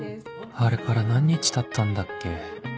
あれから何日たったんだっけ